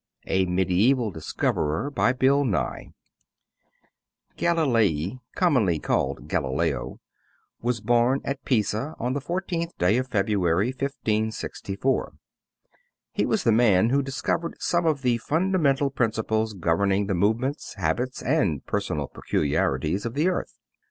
A MEDIEVAL DISCOVERER BY BILL NYE Galilei, commonly called Galileo, was born at Pisa on the 14th day of February, 1564. He was the man who discovered some of the fundamental principles governing the movements, habits, and personal peculiarities of the earth.